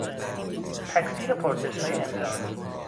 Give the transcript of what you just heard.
تکثیر پرسشهای امتحانی